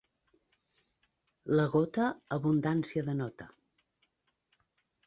La gota, abundància denota.